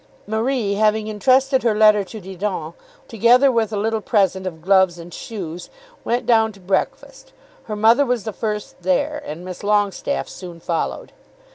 Marie having intrusted her letter to Didon, together with a little present of gloves and shoes, went down to breakfast. Her mother was the first there, and Miss Longestaffe soon followed.